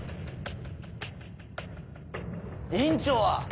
院長は？